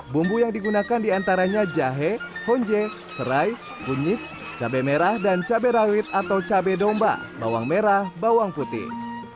bumbu yang digunakan diantaranya jahe honje serai kunyit cabai merah dan cabai rawit atau cabai domba bawang merah bawang putih